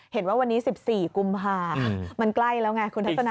เห็นว่าวันนี้๑๔กุมภามันใกล้แล้วไงคุณทัศนา